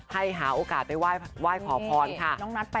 ให้หาโอกาสไปไหว้ขอพรค่ะ